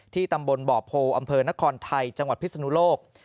ตำบลบ่อโพอำเภอนครไทยจังหวัดพิศนุโลก